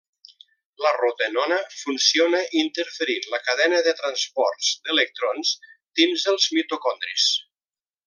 La rotenona funciona interferint la cadena de transports d'electrons dins els mitocondris.